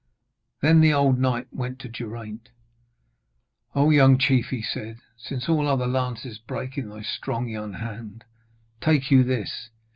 Then the old knight went to Geraint. 'O young chief!' he said, 'since all other lances break in thy strong young hand, take you this.